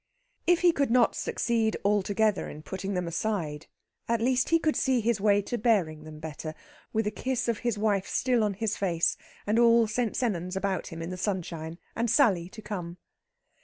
If he could not succeed altogether in putting them aside, at least he could see his way to bearing them better, with a kiss of his wife still on his face, and all St. Sennans about him in the sunshine, and Sally to come.